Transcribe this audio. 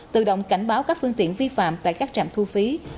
tự động cảnh báo các phương tiện vi phạm tại các trạm thu phí